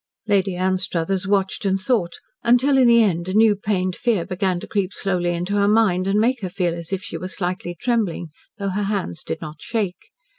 Lady Anstruthers watched and thought until, in the end, a new pained fear began to creep slowly into her mind, and make her feel as if she were slightly trembling though her hands did not shake.